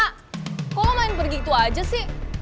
kok lo main begitu aja sih